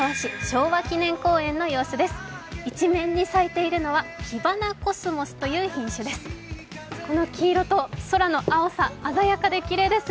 一面に咲いているのはキバナコスモスという品種です。